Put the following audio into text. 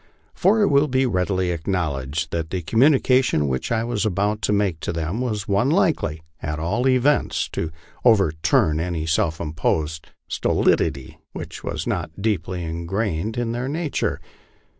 For it will be readily. acknowledged that the com munication which I was about to make to them was one likely, at all events, to overturn any self imposed stolidity which was not deeply impregnated in their nature.